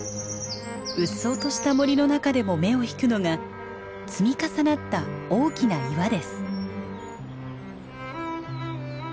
うっそうとした森の中でも目を引くのが積み重なった大きな岩です。